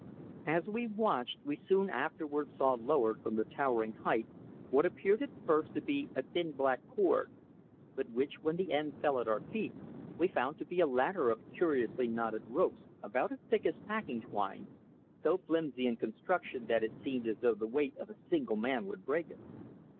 As we watched we soon afterwards saw lowered from the towering height what appeared at first to be a thin black cord, but which, when the end fell at our feet, we found to be a ladder of curiously knotted ropes about as thick as packing twine, so flimsy in construction that it seemed as though the weight of a single man would break it.